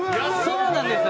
そうなんですよ！